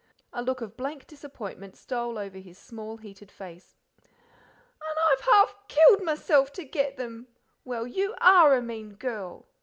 A look of blank disappointment stole over his small, heated face. "An' I've half killed myself to get them! Well, you ARE a mean girl!"